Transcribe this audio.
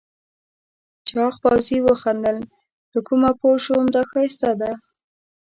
چاغ پوځي وخندل له کومه پوه شم دا ښایسته ده؟